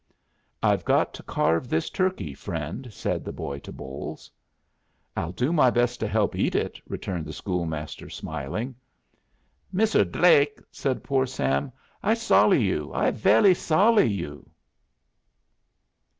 "I've got to carve this turkey, friend," said the boy to Bolles. "I'll do my best to help eat it," returned the school master, smiling. "Misser Dlake," said poor Sam, "I solly you. I velly solly you."